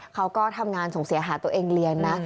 เขาก็ทำงานส่งเสียหาตัวเองเรียนนะ